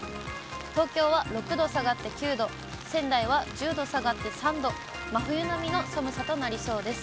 東京は６度下がって９度、仙台は１０度下がって３度、真冬並みの寒さとなりそうです。